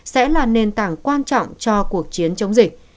sẽ là nền tảng quan trọng cho cuộc chiến chống dịch